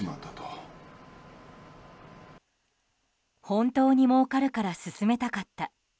本当にもうかるから勧めたかった。